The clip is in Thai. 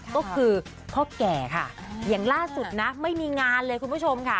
ก็คือพ่อแก่ค่ะอย่างล่าสุดนะไม่มีงานเลยคุณผู้ชมค่ะ